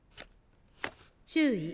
注意！